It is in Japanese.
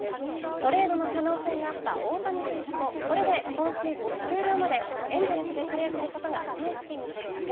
トレードの可能性があった大谷選手もこれで今シーズン終了までエンゼルスでプレーすることが正式に決定。